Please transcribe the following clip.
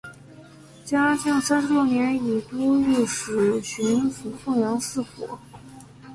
嘉靖三十六年以都御史巡抚凤阳四府。